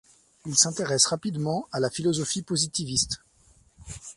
Il s'intéresse rapidement à la philosophie positiviste.